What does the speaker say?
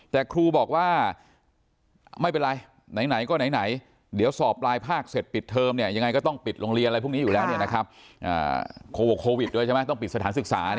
แต่ครูบอกว่าไม่เป็นไรไหนก็ไหน